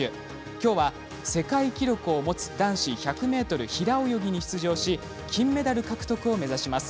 きょうは世界記録を持つ男子１００ｍ平泳ぎに出場し金メダル獲得を目指します。